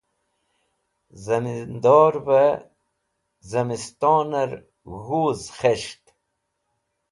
zimindor've zimistoner g̃huz khes̃ht